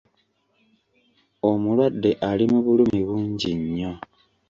Omulwadde ali mu bulumi bungi nnyo.